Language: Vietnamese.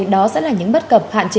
đó sẽ là những bất cập hạn chế